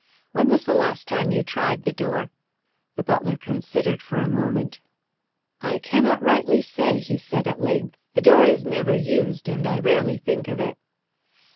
"When was the last time you tried the door?" The butler considered for a moment. "I cannot rightly say," he said at length. "The door is never used, and I rarely think of it."